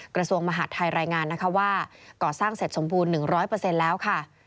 กระทรวงมหาดไทยรายงานนะคะว่าก่อสร้างเสร็จสมบูรณ์๑๐๐แล้วค่ะ